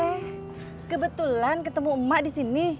eh kebetulan ketemu emak di sini